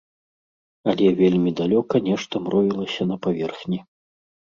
Але вельмі далёка нешта мроілася на паверхні.